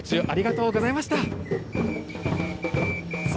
演奏中、ありがとうございました。